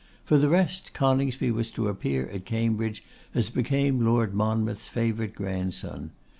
For the rest, Coningsby was to appear at Cambridge as became Lord Monmouth's favourite grandson.